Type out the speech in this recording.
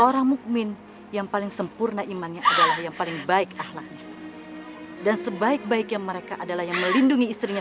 sampai jumpa di video selanjutnya